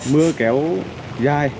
mưa kéo dài